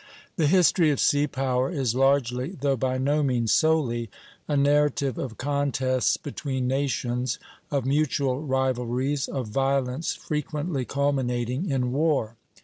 The history of Sea Power is largely, though by no means solely, a narrative of contests between nations, of mutual rivalries, of violence frequently culminating in war.